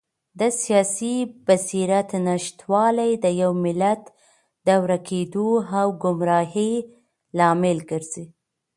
د سیاسي بصیرت نشتوالی د یو ملت د ورکېدو او ګمراهۍ لامل ګرځي.